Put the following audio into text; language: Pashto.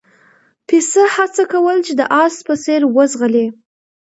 پسه هڅه کوله چې د اس په څېر وځغلي.